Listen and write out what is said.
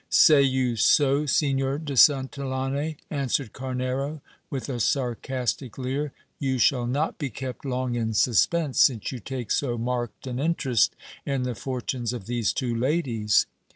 Say you so, Signor de Santillane ? answered Carnero with a sarcastic leer ; you shall not be kept long in suspense, since you take so marked an interest in the fortunes of these two ladies.